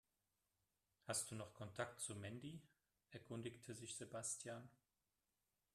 "Hast du noch Kontakt zu Mandy?", erkundigte sich Sebastian.